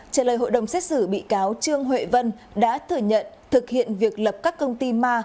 trả lời hội đồng xét xử bị cáo trương huệ vân đã thừa nhận thực hiện việc lập các công ty ma